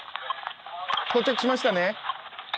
到着しましたね？